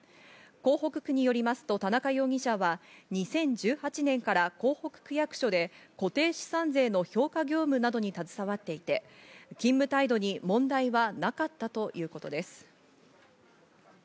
港北区によりますと田中容疑者は２０１８年から港北区役所で固定資産税の評価業務などに携わっていて、勤務態度に問題はなかったということです。